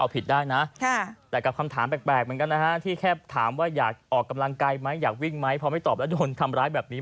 พอไม่ตอบแล้วโดนทำร้ายแบบนี้